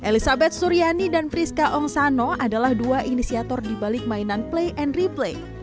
elizabeth suryani dan priska ongsano adalah dua inisiator dibalik mainan play and replay